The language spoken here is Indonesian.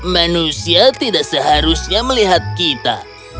manusia tidak seharusnya melihat kita